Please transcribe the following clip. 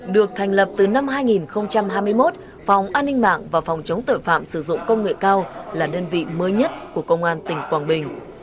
được thành lập từ năm hai nghìn hai mươi một phòng an ninh mạng và phòng chống tội phạm sử dụng công nghệ cao là đơn vị mới nhất của công an tỉnh quảng bình